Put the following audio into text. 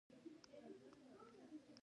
آیا د فتح خان بړیڅ کیسه د غیرت درس نه دی؟